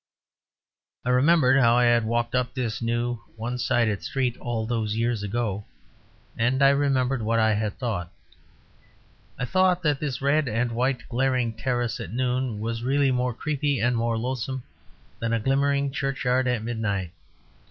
I remembered how I had walked up this new one sided street all those years ago; and I remembered what I had thought. I thought that this red and white glaring terrace at noon was really more creepy and more lonesome than a glimmering churchyard at midnight.